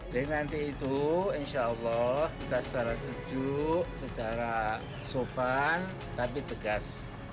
jadi nanti itu insya allah kita secara sejuk secara sopan tapi tegas